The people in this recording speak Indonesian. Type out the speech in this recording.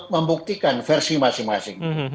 karena untuk membuktikan versi masing masing